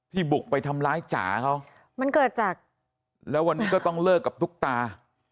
บุกไปทำร้ายจ๋าเขามันเกิดจากแล้ววันนี้ก็ต้องเลิกกับตุ๊กตา